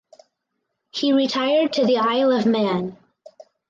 He retired to the Isle of Man.